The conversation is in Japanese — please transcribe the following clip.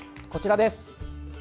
こちらです。